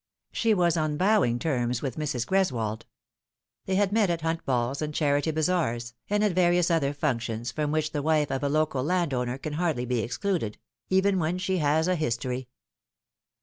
She was on bowing terms with Mrs. Greswold. They had met at hunt balls and charity bazaars, and at various other functions from which the wife of a local land owner can hardly be excluded even when she has a history.